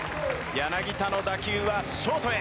柳田の打球はショートへ。